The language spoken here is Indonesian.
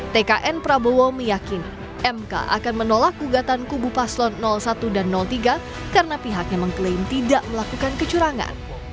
tkn prabowo meyakini mk akan menolak gugatan kubu paslon satu dan tiga karena pihaknya mengklaim tidak melakukan kecurangan